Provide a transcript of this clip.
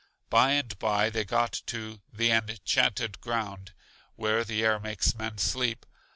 By and by they got to The Enchanted Ground, where the air makes men sleep.